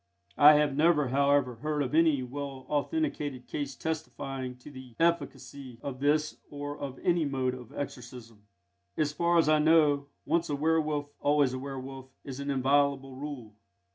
I have never, however, heard of any well authenticated case testifying to the efficacy of this or of any other mode of exorcism. As far as I know, once a werwolf always a werwolf is an inviolable rule.